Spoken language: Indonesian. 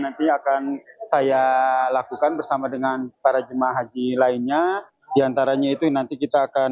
nanti akan saya lakukan bersama dengan para jemaah haji lainnya diantaranya itu nanti kita akan